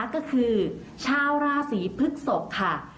ก็คือชาวราศีพฤกษกค่ะ